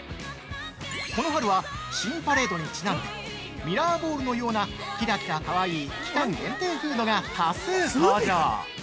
この春は、新パレードにちなんでミラーボールのようなキラキラかわいい期間限定フードが多数登場！